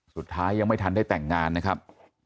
สุดท้ายยังไม่ทันได้แต่งงานนะครับ